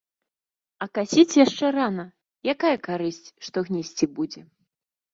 А касіць яшчэ рана, якая карысць, што гнісці будзе.